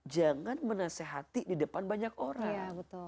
jangan menasehati di depan banyak orang